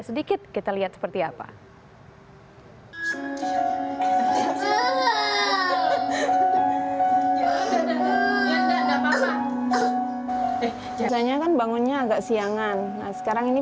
sedikit kita lihat seperti apa biasanya kan bangunnya agak siangan nah sekarang ini